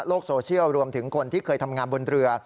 โซเชียลรวมถึงคนที่เคยทำงานบนเรือ